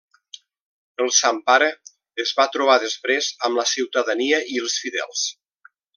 El Sant Pare es va trobar després amb la ciutadania i els fidels.